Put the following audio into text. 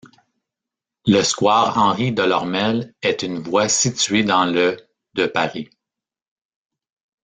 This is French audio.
Le square Henri-Delormel est une voie située dans le de Paris.